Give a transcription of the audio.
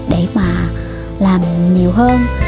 để mà làm nhiều hơn